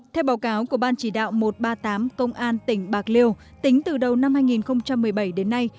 theo báo cáo của ban chỉ đạo một trăm ba mươi tám công an tỉnh bạc liêu tính từ đầu năm hai nghìn một mươi bảy đến nay